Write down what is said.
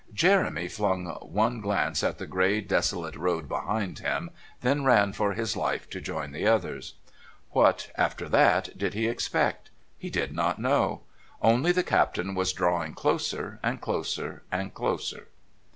Jeremy flung one glance at the grey desolate road behind him, then ran for his life to join the others. What, after that, did he expect? He did not know. Only the Captain was drawing closer, and closer, and closer.